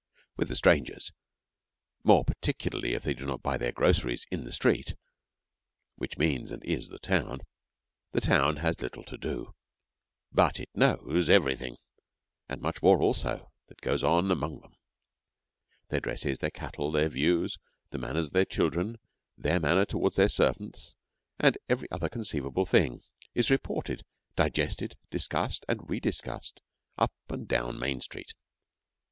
With the strangers, more particularly if they do not buy their groceries 'in the street,' which means, and is, the town, the town has little to do; but it knows everything, and much more also, that goes on among them. Their dresses, their cattle, their views, the manners of their children, their manner towards their servants, and every other conceivable thing, is reported, digested, discussed, and rediscussed up and down Main Street.